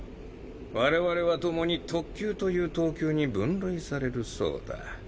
我々はともに特級という等級に分類されるそうだ。